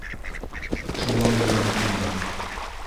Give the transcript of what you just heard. Шуларҙы яратманы.